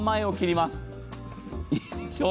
いいでしょう？